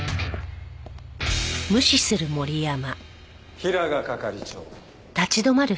平賀係長。